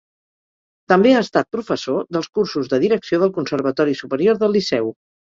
També ha estat professor dels cursos de direcció del Conservatori Superior del Liceu.